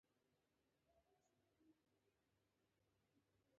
شتمن هغه دی چې د صدقې مزه درک کړي.